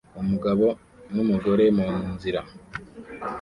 Umugabo numugore munzira